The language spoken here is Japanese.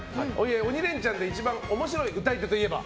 「鬼レンチャン」で１番面白い歌い手といえば？